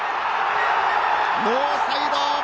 ノーサイド！